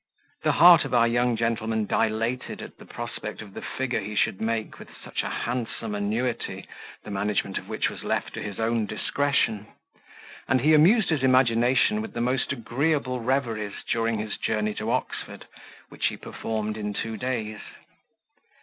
The heart of our young gentleman dilated at the prospect of the figure he should make with such a handsome annuity the management of which was left to his own discretion; and he amused his imagination with the most agreeable reveries during his journey to Oxford, which he performed in two days.